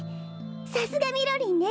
さすがみろりんね！